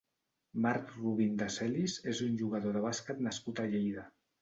Marc Rubin de Celis és un jugador de bàsquet nascut a Lleida.